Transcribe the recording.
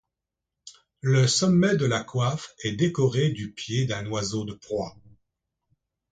Le sommet de la coiffe est décoré du pied d'un oiseau de proie.